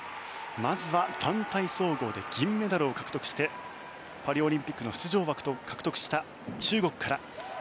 まずは団体総合で銀メダルを獲得してパリオリンピックの出場枠を獲得した中国から。